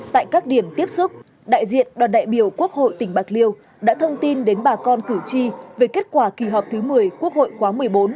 tại các điểm tiếp xúc đại diện đoàn đại biểu quốc hội tỉnh bạc liêu đã thông tin đến bà con cử tri về kết quả kỳ họp thứ một mươi quốc hội khóa một mươi bốn